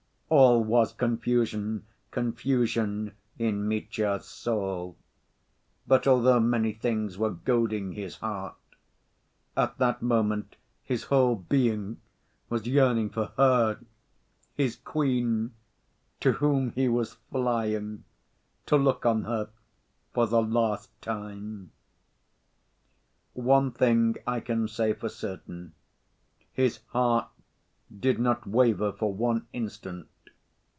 All was confusion, confusion, in Mitya's soul, but although many things were goading his heart, at that moment his whole being was yearning for her, his queen, to whom he was flying to look on her for the last time. One thing I can say for certain; his heart did not waver for one instant.